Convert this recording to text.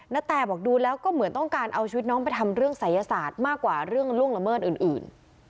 แตบอกดูแล้วก็เหมือนต้องการเอาชีวิตน้องไปทำเรื่องศัยศาสตร์มากกว่าเรื่องล่วงละเมิดอื่น